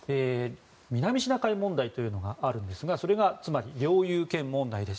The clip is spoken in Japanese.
南シナ海問題というのがあるんですがそれがつまり領有権問題です。